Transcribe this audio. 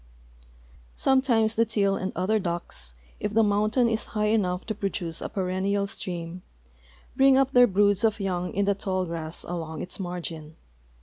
Sometimes the teal and other ducks, if the mountain is high enough to ju'oduce a perennial stream, bring up their broods of young in the tall grass along its margin.